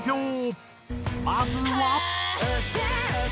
まずは。